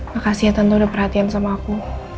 makasih ya tentu udah perhatian sama aku